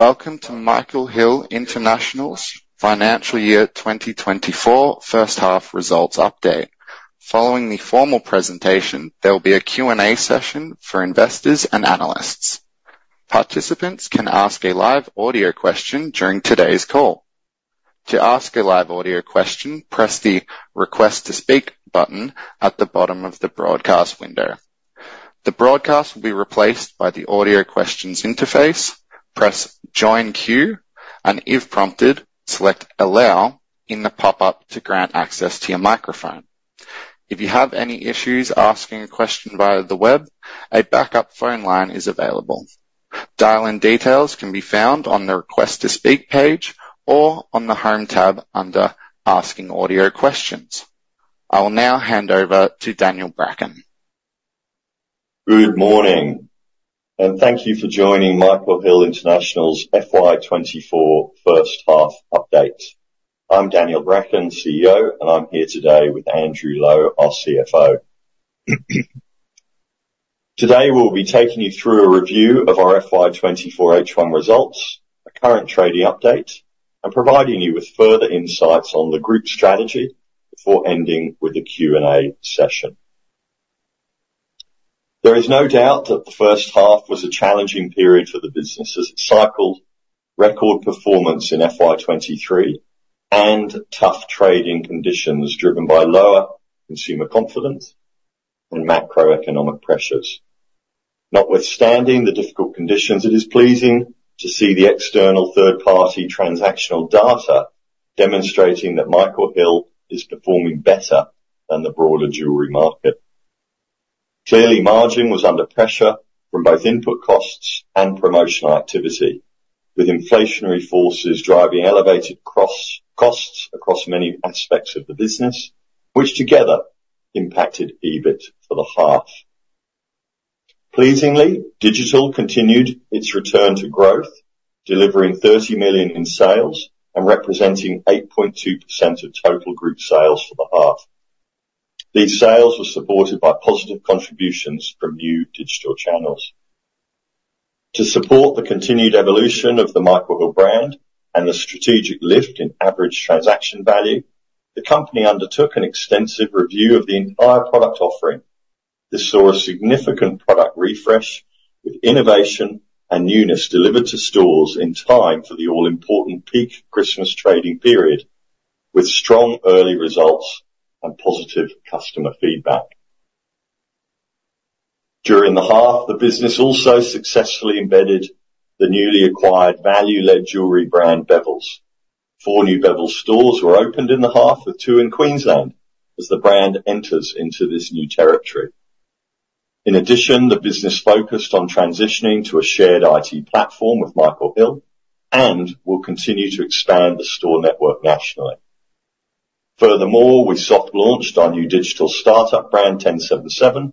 Welcome to Michael Hill International's financial year 2024 first-half results update. Following the formal presentation, there will be a Q&A session for investors and analysts. Participants can ask a live audio question during today's call. To ask a live audio question, press the "Request to Speak" button at the bottom of the broadcast window. The broadcast will be replaced by the audio questions interface. Press "Join Queue," and if prompted, select "Allow" in the pop-up to grant access to your microphone. If you have any issues asking a question via the web, a backup phone line is available. Dial-in details can be found on the "Request to Speak" page or on the home tab under "Asking Audio Questions." I will now hand over to Daniel Bracken. Good morning, and thank you for joining Michael Hill International's FY24 first-half update. I'm Daniel Bracken, CEO, and I'm here today with Andrew Lowe, our CFO. Today we'll be taking you through a review of our FY24 H1 results, a current trading update, and providing you with further insights on the group strategy before ending with the Q&A session. There is no doubt that the first half was a challenging period for the business as it cycled record performance in FY23 and tough trading conditions driven by lower consumer confidence and macroeconomic pressures. Notwithstanding the difficult conditions, it is pleasing to see the external third-party transactional data demonstrating that Michael Hill is performing better than the broader jewelry market. Clearly, margin was under pressure from both input costs and promotional activity, with inflationary forces driving elevated costs across many aspects of the business, which together impacted EBIT for the half. Pleasingly, digital continued its return to growth, delivering 30 million in sales and representing 8.2% of total group sales for the half. These sales were supported by positive contributions from new digital channels. To support the continued evolution of the Michael Hill brand and the strategic lift in average transaction value, the company undertook an extensive review of the entire product offering. This saw a significant product refresh with innovation and newness delivered to stores in time for the all-important peak Christmas trading period, with strong early results and positive customer feedback. During the half, the business also successfully embedded the newly acquired value-led jewellery brand Bevilles. Four new Bevilles stores were opened in the half with two in Queensland as the brand enters into this new territory. In addition, the business focused on transitioning to a shared IT platform with Michael Hill and will continue to expand the store network nationally. Furthermore, we soft-launched our new digital startup brand, TenSevenSeven,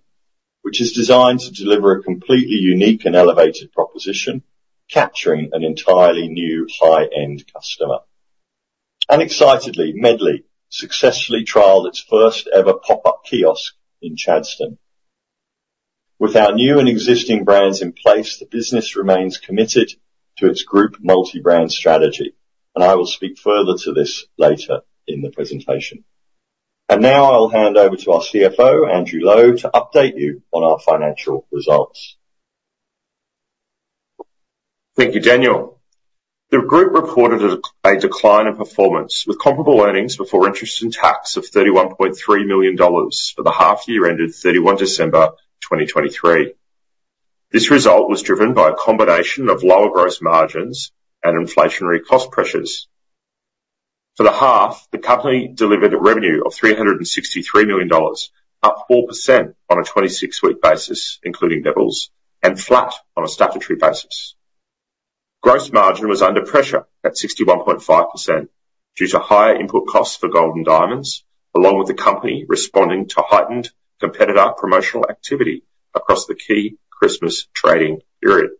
which is designed to deliver a completely unique and elevated proposition capturing an entirely new high-end customer. Excitedly, Medley successfully trialed its first-ever pop-up kiosk in Chadstone. With our new and existing brands in place, the business remains committed to its group multi-brand strategy, and I will speak further to this later in the presentation. Now I'll hand over to our CFO, Andrew Lowe, to update you on our financial results. Thank you, Daniel. The group reported a decline in performance with comparable earnings before interest and tax of AUD 31.3 million for the half-year ended 31 December 2023. This result was driven by a combination of lower gross margins and inflationary cost pressures. For the half, the company delivered revenue of 363 million dollars, up 4% on a 26-week basis, including Bevilles, and flat on a statutory basis. Gross margin was under pressure at 61.5% due to higher input costs for gold and diamonds, along with the company responding to heightened competitor promotional activity across the key Christmas trading period.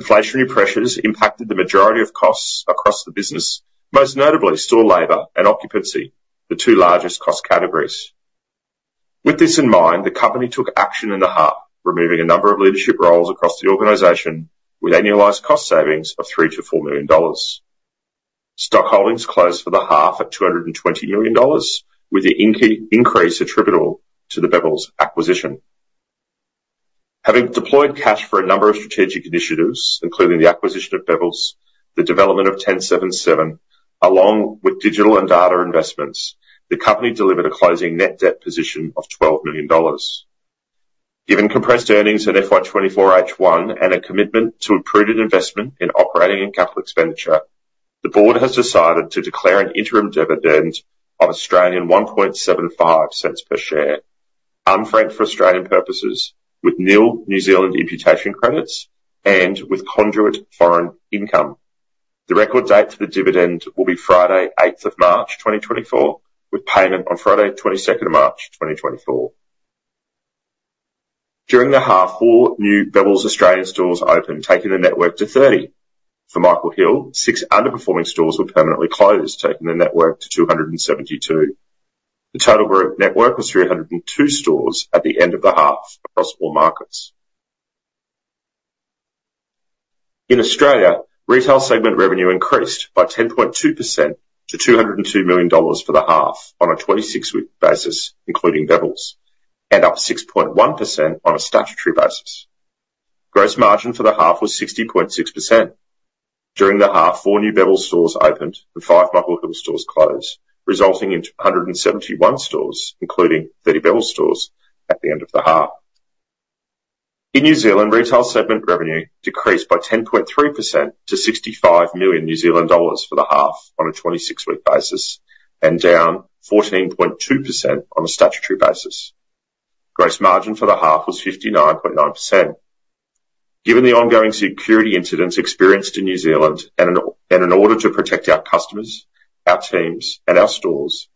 Inflationary pressures impacted the majority of costs across the business, most notably store labor and occupancy, the two largest cost categories. With this in mind, the company took action in the half, removing a number of leadership roles across the organization with annualized cost savings of 3 million-4 million dollars. Stock holdings closed for the half at 220 million dollars, with the increase attributable to the Bevilles acquisition. Having deployed cash for a number of strategic initiatives, including the acquisition of Bevilles, the development of TenSevenSeven, along with digital and data investments, the company delivered a closing net debt position of 12 million dollars. Given compressed earnings in FY24 H1 and a commitment to improved investment in operating and capital expenditure, the board has decided to declare an interim dividend of 0.0175 per share, unfranked for Australian purposes, with nil New Zealand imputation credits and with conduit foreign income. The record date for the dividend will be Friday, 8th of March 2024, with payment on Friday, 22nd of March 2024. During the half, four new Bevilles Australian stores opened, taking the network to 30. For Michael Hill, six underperforming stores were permanently closed, taking the network to 272. The total group network was 302 stores at the end of the half across all markets. In Australia, retail segment revenue increased by 10.2% to 202 million dollars for the half on a 26-week basis, including Bevilles, and up 6.1% on a statutory basis. Gross margin for the half was 60.6%. During the half, four new Bevilles stores opened and five Michael Hill stores closed, resulting in 171 stores, including 30 Bevilles stores, at the end of the half. In New Zealand, retail segment revenue decreased by 10.3% to AUD 65 million for the half on a 26-week basis and down 14.2% on a statutory basis. Gross margin for the half was 59.9%. Given the ongoing security incidents experienced in New Zealand and in order to protect our customers, our teams, and our stores,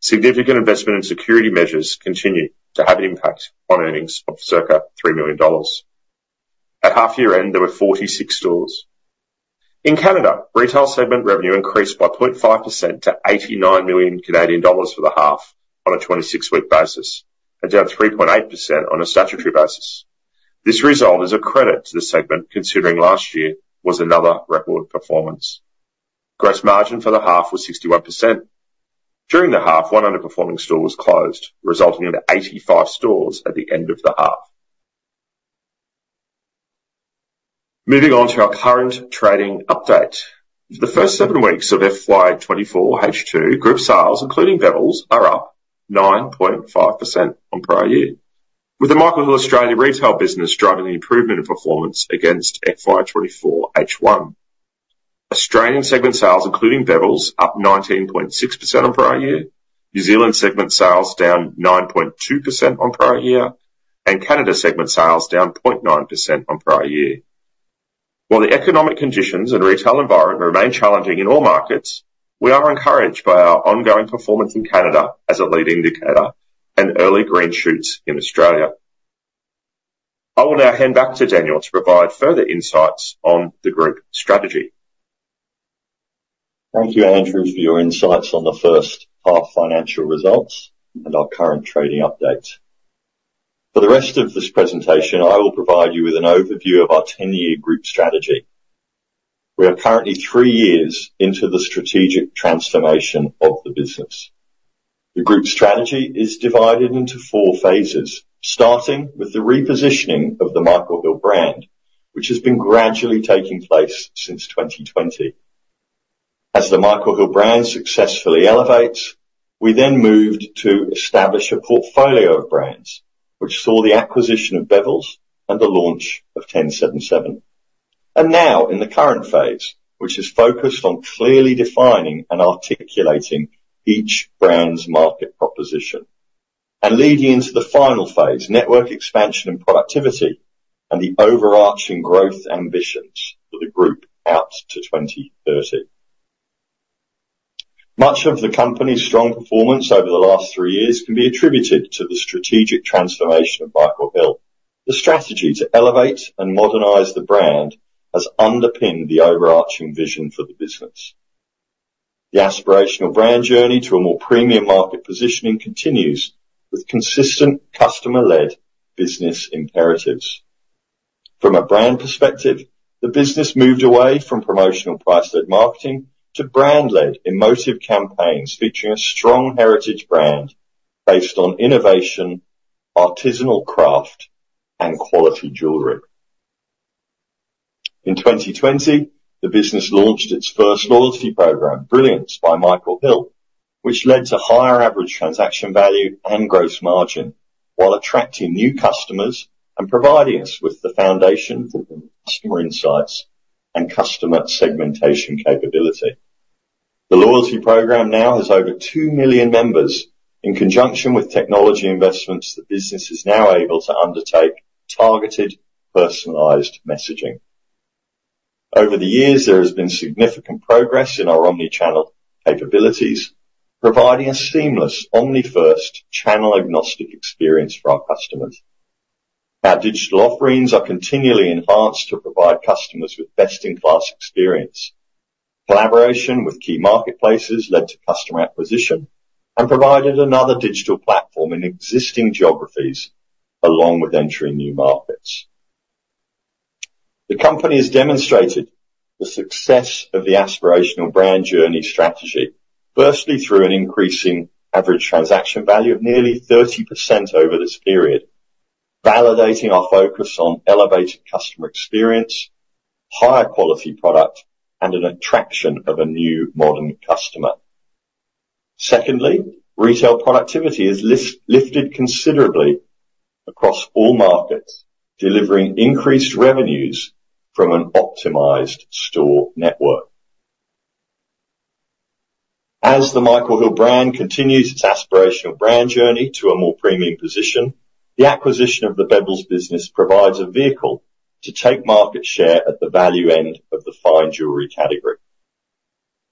significant investment in security measures continue to have an impact on earnings of circa 3 million dollars. At half-year end, there were 46 stores. In Canada, retail segment revenue increased by 0.5% to AUD 89 million for the half on a 26-week basis and down 3.8% on a statutory basis. This result is a credit to the segment, considering last year was another record performance. Gross margin for the half was 61%. During the half, one underperforming store was closed, resulting in 85 stores at the end of the half. Moving on to our current trading update. For the first seven weeks of FY24 H2, group sales, including Bevilles, are up 9.5% on prior year, with the Michael Hill Australia retail business driving the improvement of performance against FY24 H1. Australian segment sales, including Bevilles, up 19.6% on prior year, New Zealand segment sales down 9.2% on prior year, and Canada segment sales down 0.9% on prior year. While the economic conditions and retail environment remain challenging in all markets, we are encouraged by our ongoing performance in Canada as a leading indicator and early green shoots in Australia. I will now hand back to Daniel to provide further insights on the group strategy. Thank you, Andrew, for your insights on the first-half financial results and our current trading update. For the rest of this presentation, I will provide you with an overview of our 10-year group strategy. We are currently three years into the strategic transformation of the business. The group strategy is divided into four phases, starting with the repositioning of the Michael Hill brand, which has been gradually taking place since 2020. As the Michael Hill brand successfully elevates, we then moved to establish a portfolio of brands, which saw the acquisition of Bevilles and the launch of TenSevenSeven. And now in the current phase, which is focused on clearly defining and articulating each brand's market proposition and leading into the final phase, network expansion and productivity, and the overarching growth ambitions for the group out to 2030. Much of the company's strong performance over the last three years can be attributed to the strategic transformation of Michael Hill. The strategy to elevate and modernize the brand has underpinned the overarching vision for the business. The aspirational brand journey to a more premium market positioning continues with consistent customer-led business imperatives. From a brand perspective, the business moved away from promotional price-led marketing to brand-led emotive campaigns featuring a strong heritage brand based on innovation, artisanal craft, and quality jewelry. In 2020, the business launched its first loyalty program, Brilliance, by Michael Hill, which led to higher average transaction value and gross margin while attracting new customers and providing us with the foundation for customer insights and customer segmentation capability. The loyalty program now has over 2 million members in conjunction with technology investments the business is now able to undertake targeted, personalized messaging. Over the years, there has been significant progress in our omnichannel capabilities, providing a seamless, omni-first channel-agnostic experience for our customers. Our digital offerings are continually enhanced to provide customers with best-in-class experience. Collaboration with key marketplaces led to customer acquisition and provided another digital platform in existing geographies, along with entering new markets. The company has demonstrated the success of the aspirational brand journey strategy, firstly through an increasing average transaction value of nearly 30% over this period, validating our focus on elevated customer experience, higher quality product, and an attraction of a new modern customer. Secondly, retail productivity has lifted considerably across all markets, delivering increased revenues from an optimized store network. As the Michael Hill brand continues its aspirational brand journey to a more premium position, the acquisition of the Bevilles business provides a vehicle to take market share at the value end of the fine jewelry category.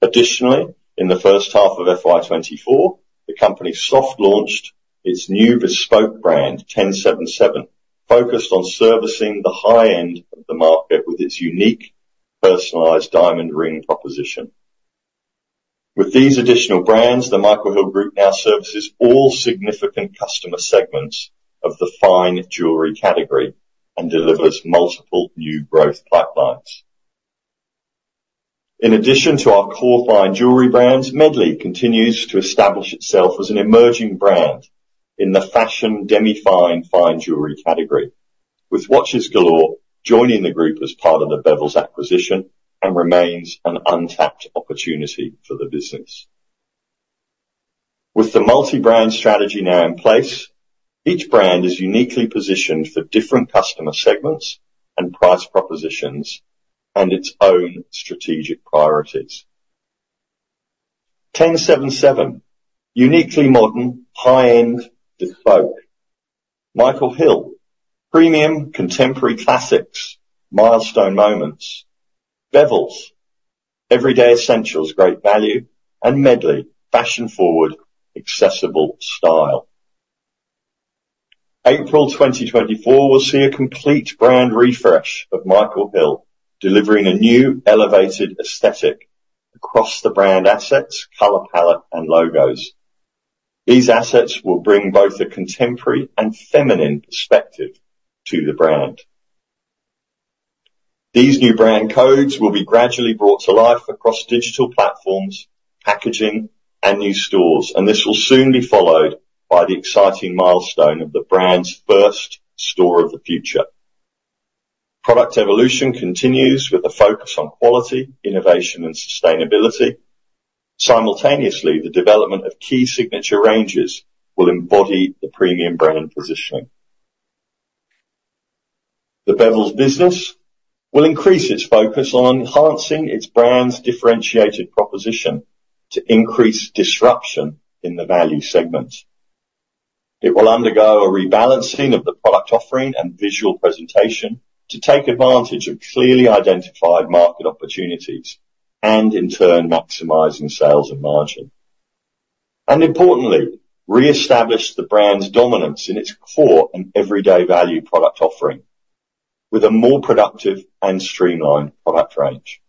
Additionally, in the first half of FY24, the company soft-launched its new bespoke brand, TenSevenSeven, focused on servicing the high end of the market with its unique personalized diamond ring proposition. With these additional brands, the Michael Hill group now services all significant customer segments of the fine jewelry category and delivers multiple new growth pipelines. In addition to our core fine jewelry brands, Medley continues to establish itself as an emerging brand in the fashion demi-fine fine jewelry category, with Watches Galore joining the group as part of the Bevilles acquisition and remains an untapped opportunity for the business. With the multi-brand strategy now in place, each brand is uniquely positioned for different customer segments and price propositions and its own strategic priorities. TenSevenSeven, uniquely modern, high-end, bespoke. Michael Hill, premium, contemporary classics, milestone moments. Bevilles, everyday essentials, great value. Medley, fashion-forward, accessible style. April 2024 will see a complete brand refresh of Michael Hill, delivering a new elevated aesthetic across the brand assets, color palette, and logos. These assets will bring both a contemporary and feminine perspective to the brand. These new brand codes will be gradually brought to life across digital platforms, packaging, and new stores, and this will soon be followed by the exciting milestone of the brand's first Store of the Future. Product evolution continues with a focus on quality, innovation, and sustainability. Simultaneously, the development of key signature ranges will embody the premium brand positioning. The Bevilles business will increase its focus on enhancing its brand's differentiated proposition to increase disruption in the value segment. It will undergo a rebalancing of the product offering and visual presentation to take advantage of clearly identified market opportunities and, in turn, maximizing sales and margin. Importantly, re-establish the brand's dominance in its core and everyday value product offering with a more productive and streamlined product range.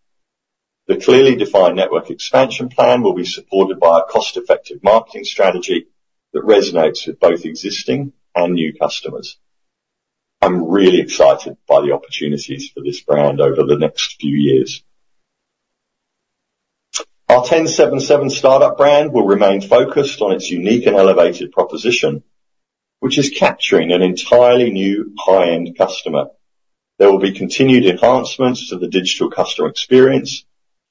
The clearly defined network expansion plan will be supported by a cost-effective marketing strategy that resonates with both existing and new customers. I'm really excited by the opportunities for this brand over the next few years. Our TenSevenSeven startup brand will remain focused on its unique and elevated proposition, which is capturing an entirely new high-end customer. There will be continued enhancements to the digital customer experience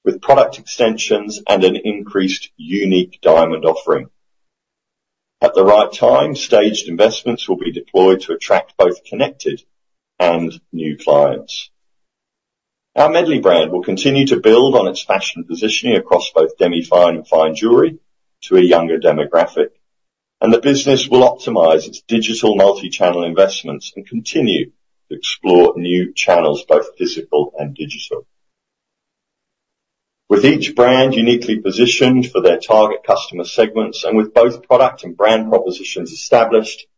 with product extensions and an increased unique diamond offering. At the right time, staged investments will be deployed to attract both connected and new clients. Our Medley brand will continue to build on its fashion positioning across both demi-fine and fine jewelry to a younger demographic, and the business will optimize its digital multi-channel investments and continue to explore new channels, both physical and digital. With each brand uniquely positioned for their target customer segments and with both product and brand propositions established,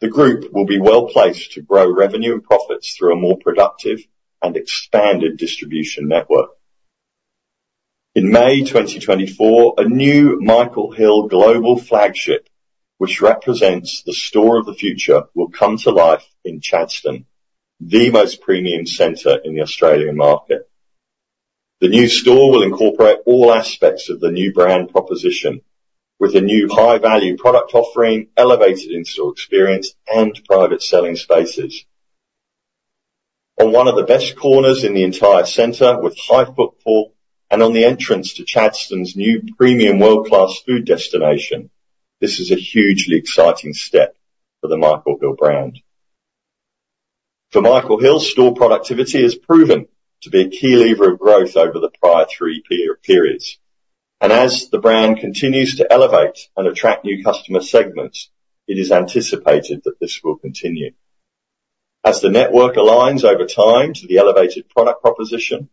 the group will be well placed to grow revenue and profits through a more productive and expanded distribution network. In May 2024, a new Michael Hill global flagship, which represents the Store of the Future, will come to life in Chadstone, the most premium center in the Australian market. The new store will incorporate all aspects of the new brand proposition with a new high-value product offering, elevated in-store experience, and private selling spaces. On one of the best corners in the entire center, with high footfall, and on the entrance to Chadstone's new premium world-class food destination, this is a hugely exciting step for the Michael Hill brand. For Michael Hill, store productivity has proven to be a key lever of growth over the prior three periods. As the brand continues to elevate and attract new customer segments, it is anticipated that this will continue. As the network aligns over time to the elevated product proposition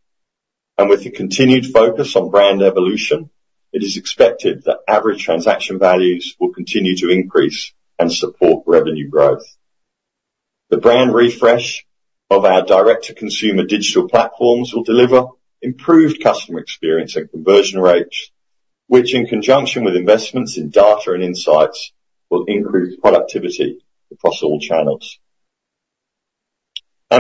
and with the continued focus on brand evolution, it is expected that average transaction values will continue to increase and support revenue growth. The brand refresh of our direct-to-consumer digital platforms will deliver improved customer experience and conversion rates, which, in conjunction with investments in data and insights, will increase productivity across all channels.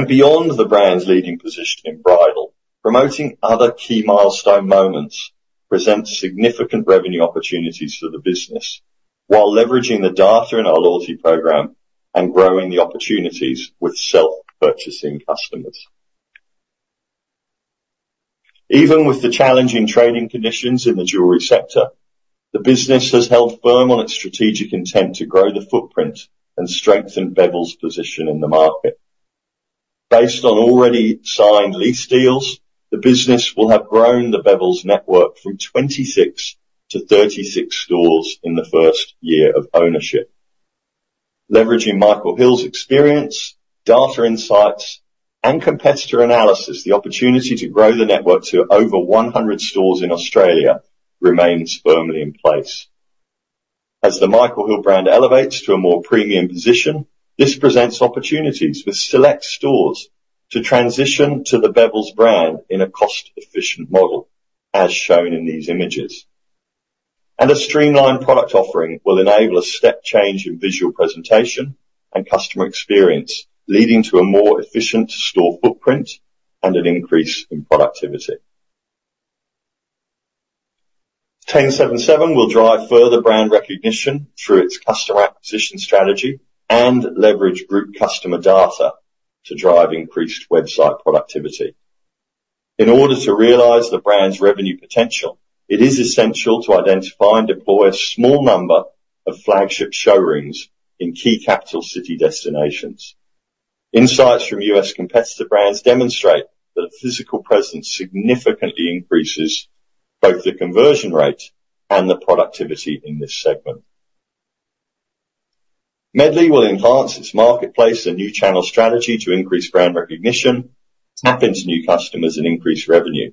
Beyond the brand's leading position in bridal, promoting other key milestone moments presents significant revenue opportunities for the business while leveraging the data in our loyalty program and growing the opportunities with self-purchasing customers. Even with the challenging trading conditions in the jewelry sector, the business has held firm on its strategic intent to grow the footprint and strengthen Bevilles' position in the market. Based on already signed lease deals, the business will have grown the Bevilles network from 26 to 36 stores in the first year of ownership. Leveraging Michael Hill's experience, data insights, and competitor analysis, the opportunity to grow the network to over 100 stores in Australia remains firmly in place. As the Michael Hill brand elevates to a more premium position, this presents opportunities for select stores to transition to the Bevilles brand in a cost-efficient model, as shown in these images. A streamlined product offering will enable a step change in visual presentation and customer experience, leading to a more efficient store footprint and an increase in productivity. TenSevenSeven will drive further brand recognition through its customer acquisition strategy and leverage group customer data to drive increased website productivity. In order to realize the brand's revenue potential, it is essential to identify and deploy a small number of flagship showrooms in key capital city destinations. Insights from US competitor brands demonstrate that physical presence significantly increases both the conversion rate and the productivity in this segment. Medley will enhance its marketplace and new channel strategy to increase brand recognition, tap into new customers, and increase revenue.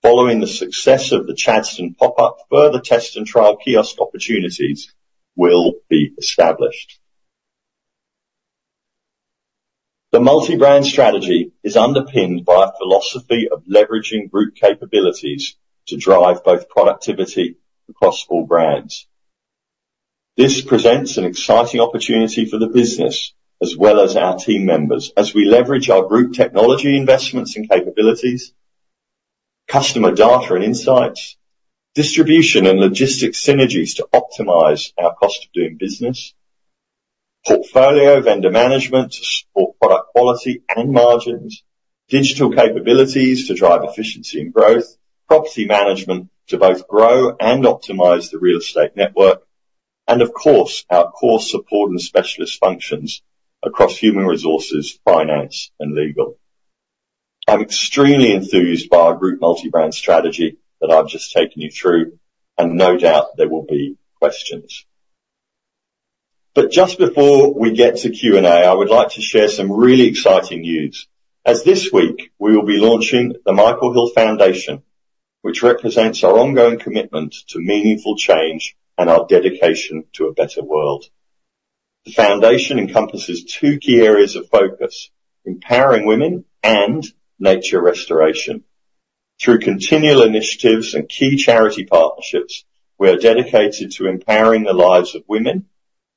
Following the success of the Chadstone pop-up, further test-and-trial kiosk opportunities will be established. The multi-brand strategy is underpinned by a philosophy of leveraging group capabilities to drive both productivity across all brands. This presents an exciting opportunity for the business as well as our team members as we leverage our group technology investments and capabilities, customer data and insights, distribution and logistics synergies to optimize our cost of doing business, portfolio vendor management to support product quality and margins, digital capabilities to drive efficiency and growth, property management to both grow and optimize the real estate network, and, of course, our core support and specialist functions across human resources, finance, and legal. I'm extremely enthused by our group multi-brand strategy that I've just taken you through, and no doubt there will be questions. But just before we get to Q&A, I would like to share some really exciting news. As of this week, we will be launching the Michael Hill Foundation, which represents our ongoing commitment to meaningful change and our dedication to a better world. The foundation encompasses two key areas of focus: empowering women and nature restoration. Through continual initiatives and key charity partnerships, we are dedicated to empowering the lives of women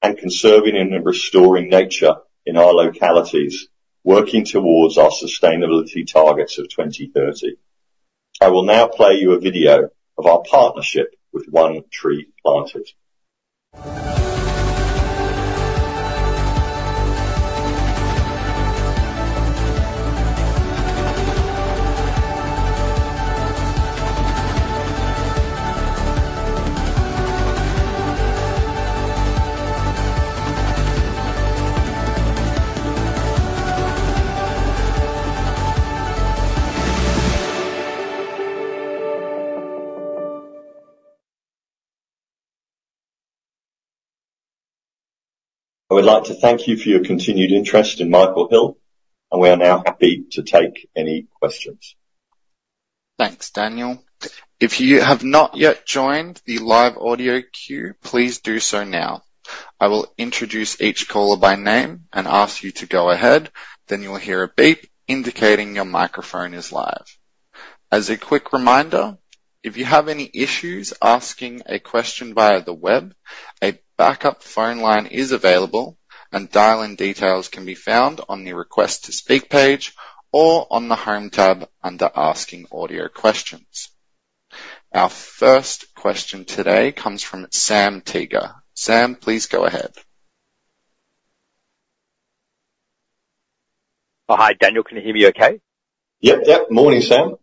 and conserving and restoring nature in our localities, working towards our sustainability targets of 2030. I will now play you a video of our partnership with One Tree Planted. I would like to thank you for your continued interest in Michael Hill, and we are now happy to take any questions. Thanks, Daniel. If you have not yet joined the live audio queue, please do so now. I will introduce each caller by name and ask you to go ahead. Then you'll hear a beep indicating your microphone is live. As a quick reminder, if you have any issues asking a question via the web, a backup phone line is available, and dial-in details can be found on the Request to Speak page or on the Home tab under Asking Audio Questions. Our first question today comes from Sam Teeger. Sam, please go ahead. Hi, Daniel. Can you hear me okay? Yep, yep. Morning, Sam.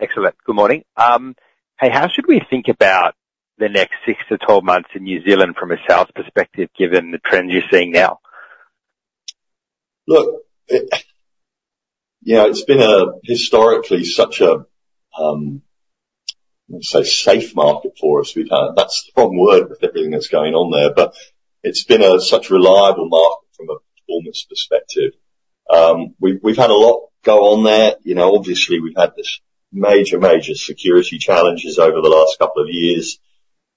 Excellent. Good morning. Hey, how should we think about the next 6-12 months in New Zealand from a south perspective, given the trends you're seeing now? Look, it's been historically such a, I want to say, safe market for us. That's the wrong word with everything that's going on there, but it's been such a reliable market from a performance perspective. We've had a lot go on there. Obviously, we've had these major, major security challenges over the last couple of years,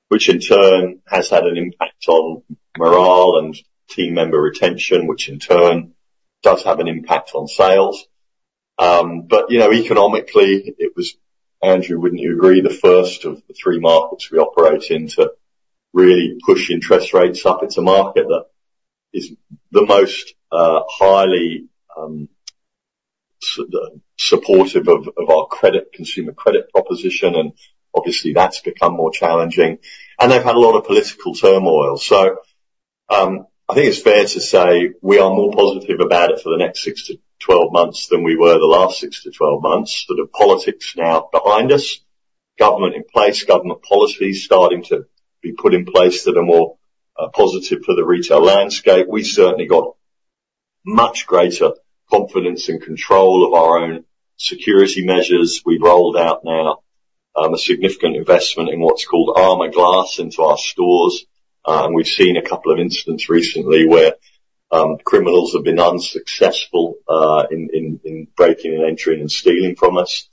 which in turn has had an impact on morale and team member retention, which in turn does have an impact on sales. But economically, it was, Andrew, wouldn't you agree, the first of the three markets we operate in to really push interest rates up. It's a market that is the most highly supportive of our consumer credit proposition, and obviously, that's become more challenging. They've had a lot of political turmoil. So I think it's fair to say we are more positive about it for the next 6-12 months than we were the last 6-12 months. So the politics now behind us, government in place, government policies starting to be put in place that are more positive for the retail landscape. We've certainly got much greater confidence and control of our own security measures. We've rolled out now a significant investment in what's called Armour Glass into our stores. And we've seen a couple of incidents recently where criminals have been unsuccessful in breaking and entering and stealing from us.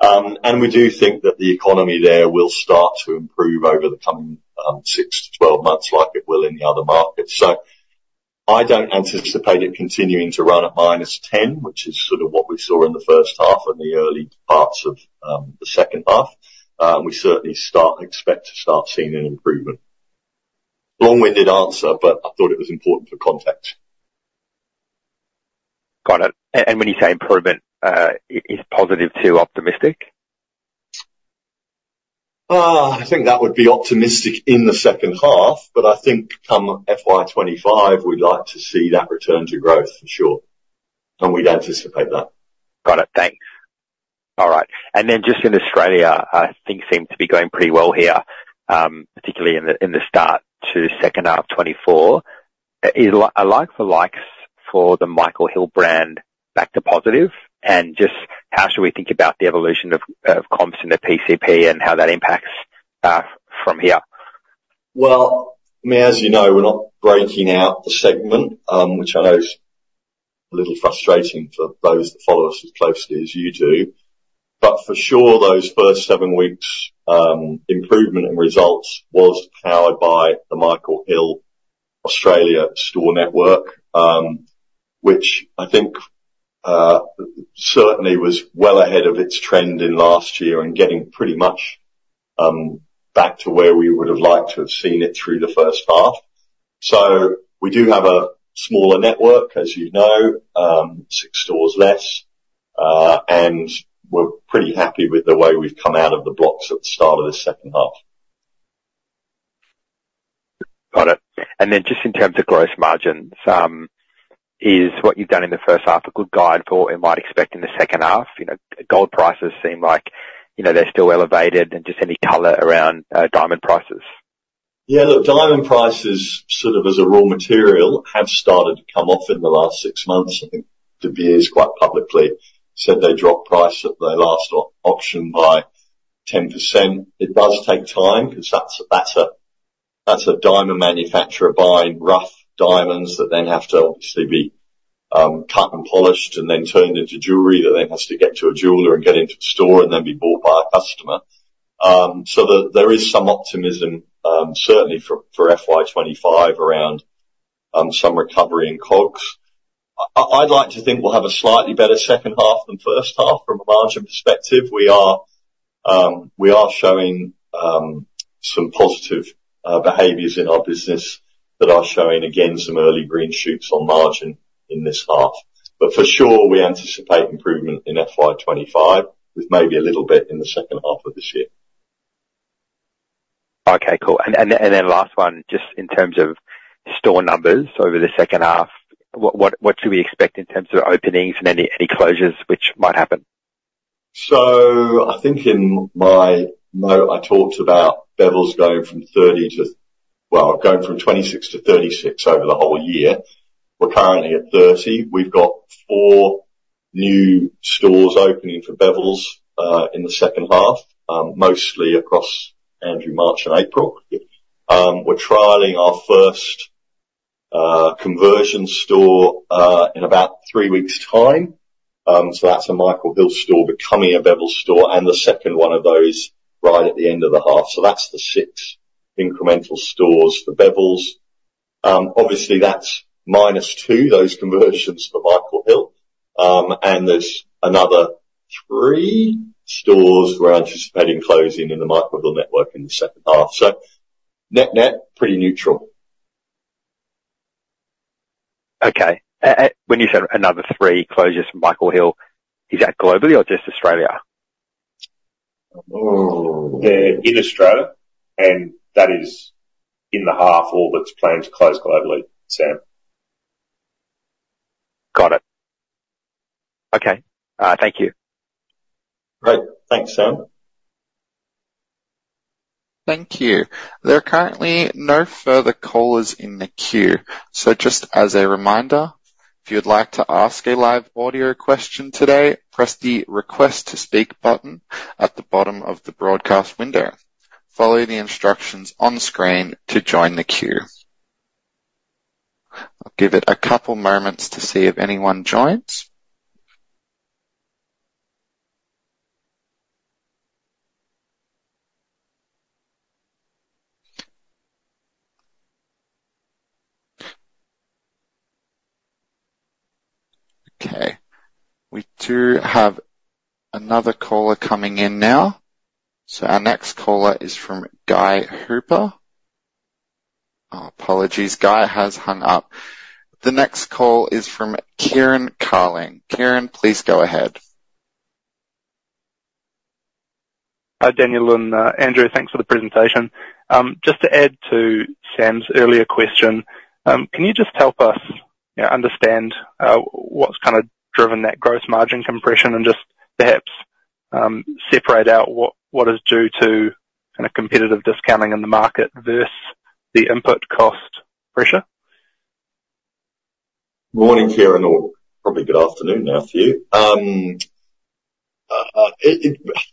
And we do think that the economy there will start to improve over the coming 6-12 months like it will in the other markets. I don't anticipate it continuing to run at -10%, which is sort of what we saw in the first half and the early parts of the second half. We certainly expect to start seeing an improvement. Long-winded answer, but I thought it was important for context. Got it. And when you say improvement, is positive to optimistic? I think that would be optimistic in the second half, but I think come FY25, we'd like to see that return to growth for sure. And we'd anticipate that. Got it. Thanks. All right. And then just in Australia, things seem to be going pretty well here, particularly in the start to second half 2024. Is like-for-likes for the Michael Hill brand back to positive? And just how should we think about the evolution of comps and the PCP and how that impacts from here? Well, I mean, as you know, we're not breaking out the segment, which I know is a little frustrating for those that follow us as closely as you do. But for sure, those first seven weeks' improvement in results was powered by the Michael Hill Australia store network, which I think certainly was well ahead of its trend in last year and getting pretty much back to where we would have liked to have seen it through the first half. So we do have a smaller network, as you know, six stores less, and we're pretty happy with the way we've come out of the blocks at the start of this second half. Got it. And then just in terms of gross margins, is what you've done in the first half a good guide for what we might expect in the second half? Gold prices seem like they're still elevated. And just any color around diamond prices? Yeah. Look, diamond prices, sort of as a raw material, have started to come off in the last six months. I think De Beers quite publicly said they dropped price at their last auction by 10%. It does take time because that's a diamond manufacturer buying rough diamonds that then have to obviously be cut and polished and then turned into jewelry that then has to get to a jeweler and get into the store and then be bought by a customer. So there is some optimism, certainly for FY25, around some recovery in COGS. I'd like to think we'll have a slightly better second half than first half from a margin perspective. We are showing some positive behaviors in our business that are showing, again, some early green shoots on margin in this half. For sure, we anticipate improvement in FY25 with maybe a little bit in the second half of this year. Okay. Cool. And then last one, just in terms of store numbers over the second half, what should we expect in terms of openings and any closures which might happen? So I think in my note, I talked about Bevilles going from 30 to well, going from 26 to 36 over the whole year. We're currently at 30. We've got 4 new stores opening for Bevilles in the second half, mostly across Andrew, March, and April. We're trialing our first conversion store in about 3 weeks' time. So that's a Michael Hill store becoming a Bevilles store, and the second one of those right at the end of the half. So that's the 6 incremental stores for Bevilles. Obviously, that's minus 2, those conversions, for Michael Hill. And there's another 3 stores we're anticipating closing in the Michael Hill network in the second half. So net-net, pretty neutral. Okay. When you said another three closures from Michael Hill, is that globally or just Australia? In Australia. That is in the half, all that's planned to close globally, Sam. Got it. Okay. Thank you. Great. Thanks, Sam. Thank you. There are currently no further callers in the queue. Just as a reminder, if you would like to ask a live audio question today, press the Request to Speak button at the bottom of the broadcast window. Follow the instructions on screen to join the queue. I'll give it a couple moments to see if anyone joins. Okay. We do have another caller coming in now. Our next caller is from Guy Hooper. Oh, apologies. Guy has hung up. The next call is from Kieran Carling. Kieran, please go ahead. Hi, Daniel and Andrew. Thanks for the presentation. Just to add to Sam's earlier question, can you just help us understand what's kind of driven that gross margin compression and just perhaps separate out what is due to kind of competitive discounting in the market versus the input cost pressure? Morning, Kieran, or probably good afternoon now for you.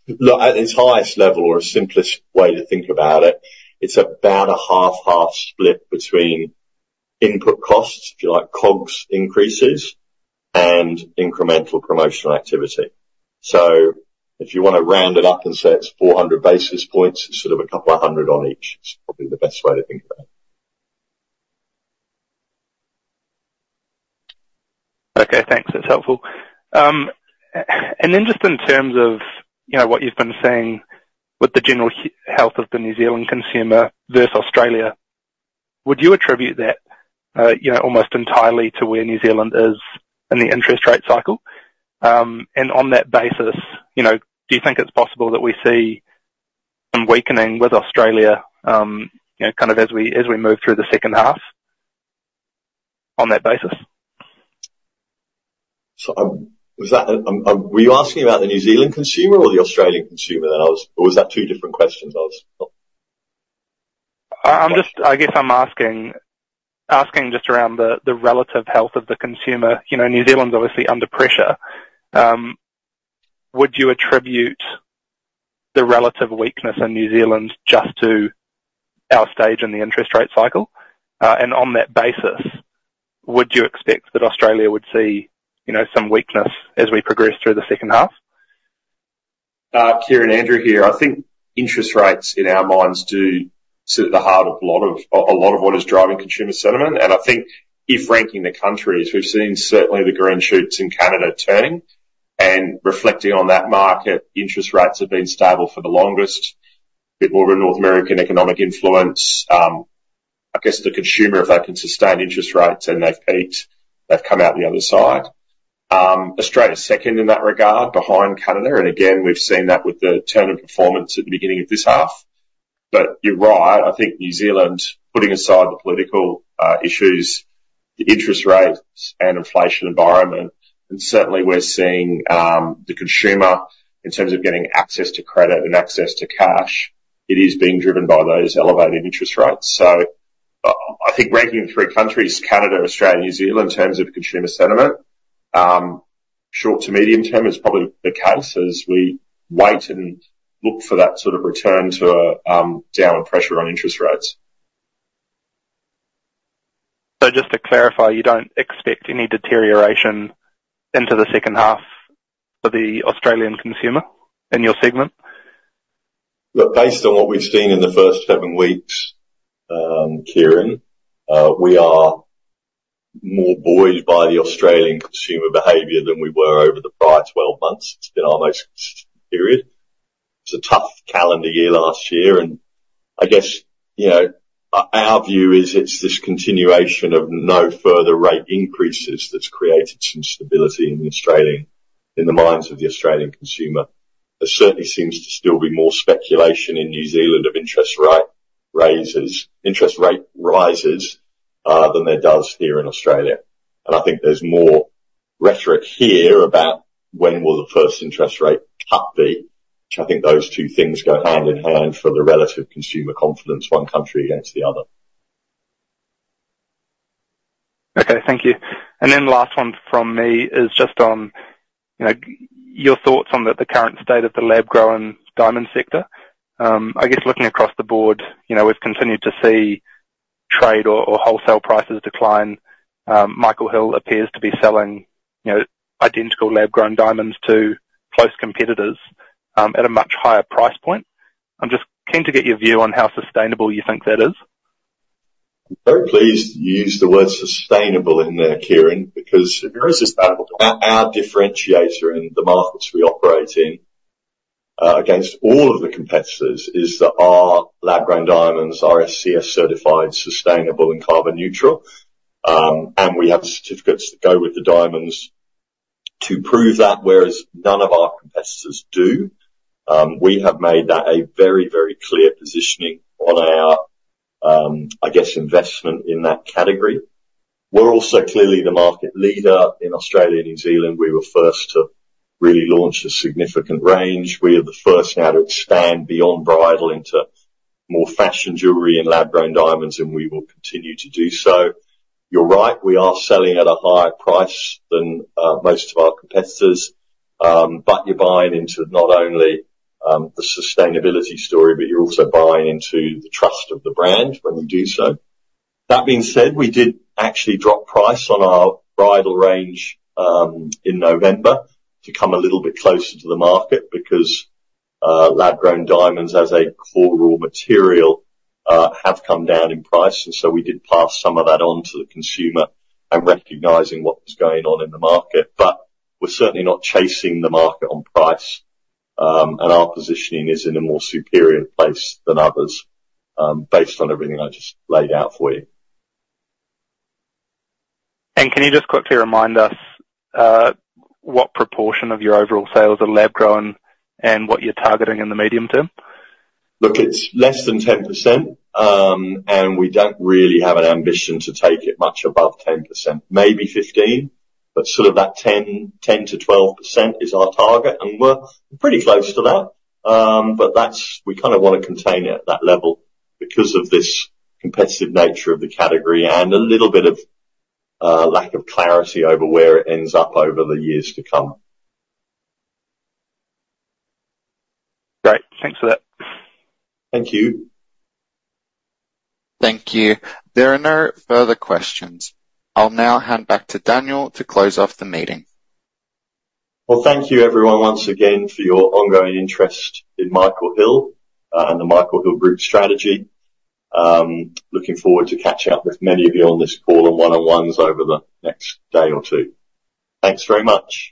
Look, at its highest level or a simplest way to think about it, it's about a half-half split between input costs, if you like, COGS increases, and incremental promotional activity. So if you want to round it up and say it's 400 basis points, it's sort of a couple of hundred on each is probably the best way to think about it. Okay. Thanks. That's helpful. Then, just in terms of what you've been saying with the general health of the New Zealand consumer versus Australia, would you attribute that almost entirely to where New Zealand is in the interest rate cycle? On that basis, do you think it's possible that we see some weakening with Australia kind of as we move through the second half on that basis? Were you asking about the New Zealand consumer or the Australian consumer then? Or was that two different questions? I guess I'm asking just around the relative health of the consumer. New Zealand's obviously under pressure. Would you attribute the relative weakness in New Zealand just to our stage in the interest rate cycle? And on that basis, would you expect that Australia would see some weakness as we progress through the second half? Kieran Carling here. I think interest rates, in our minds, do sit at the heart of a lot of what is driving consumer sentiment. I think if ranking the countries, we've seen certainly the green shoots in Canada turning. Reflecting on that market, interest rates have been stable for the longest. A bit more of a North American economic influence. I guess the consumer, if they can sustain interest rates and they've peaked, they've come out the other side. Australia's second in that regard, behind Canada. Again, we've seen that with the turn of performance at the beginning of this half. But you're right. I think New Zealand, putting aside the political issues, the interest rates, and inflation environment, and certainly we're seeing the consumer, in terms of getting access to credit and access to cash, it is being driven by those elevated interest rates. I think ranking the three countries, Canada, Australia, New Zealand, in terms of consumer sentiment, short to medium term is probably the case as we wait and look for that sort of return to a downward pressure on interest rates. So just to clarify, you don't expect any deterioration into the second half for the Australian consumer in your segment? Look, based on what we've seen in the first seven weeks, Kieran, we are more buoyed by the Australian consumer behavior than we were over the prior 12 months. It's been our most consistent period. It was a tough calendar year last year. I guess our view is it's this continuation of no further rate increases that's created some stability in the minds of the Australian consumer. There certainly seems to still be more speculation in New Zealand of interest rate rises than there does here in Australia. I think there's more rhetoric here about when will the first interest rate cut be, which I think those two things go hand in hand for the relative consumer confidence one country against the other. Okay. Thank you. And then the last one from me is just on your thoughts on the current state of the lab-grown diamond sector. I guess looking across the board, we've continued to see trade or wholesale prices decline. Michael Hill appears to be selling identical lab-grown diamonds to close competitors at a much higher price point. I'm just keen to get your view on how sustainable you think that is. I'm very pleased to use the word sustainable in there, Kieran, because our differentiator in the markets we operate in against all of the competitors is that our lab-grown diamonds are SCS-certified, sustainable, and carbon-neutral. And we have certificates that go with the diamonds to prove that, whereas none of our competitors do. We have made that a very, very clear positioning on our, I guess, investment in that category. We're also clearly the market leader in Australia and New Zealand. We were first to really launch a significant range. We are the first now to expand beyond bridal into more fashion jewelry and lab-grown diamonds, and we will continue to do so. You're right. We are selling at a higher price than most of our competitors. But you're buying into not only the sustainability story, but you're also buying into the trust of the brand when you do so. That being said, we did actually drop price on our bridal range in November to come a little bit closer to the market because lab-grown diamonds, as a core raw material, have come down in price. And so we did pass some of that on to the consumer and recognizing what was going on in the market. But we're certainly not chasing the market on price. And our positioning is in a more superior place than others based on everything I just laid out for you. Can you just quickly remind us what proportion of your overall sales are lab-grown and what you're targeting in the medium term? Look, it's less than 10%. And we don't really have an ambition to take it much above 10%, maybe 15%. But sort of that 10%-12% is our target. And we're pretty close to that. But we kind of want to contain it at that level because of this competitive nature of the category and a little bit of lack of clarity over where it ends up over the years to come. Great. Thanks for that. Thank you. Thank you. There are no further questions. I'll now hand back to Daniel to close off the meeting. Well, thank you, everyone, once again, for your ongoing interest in Michael Hill and the Michael Hill Group strategy. Looking forward to catching up with many of you on this call and one-on-ones over the next day or two. Thanks very much.